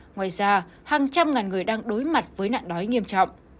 ngoài ra hàng trăm ngàn người đang đối mặt với nạn đói nghiêm trọng